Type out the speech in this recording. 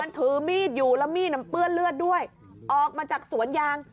ถือมีดอยู่แล้วมีดเปื้อนเลือดด้วยออกมาจากสวนยาง